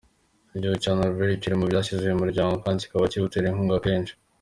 Igihugu cya Norvege kiri mu byashinze uyu muryango kandi kikaba kiwutera inkunga kenshi.